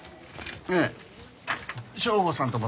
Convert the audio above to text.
ええ省吾さんとも時々。